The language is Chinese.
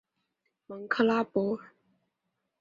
蒙克拉博。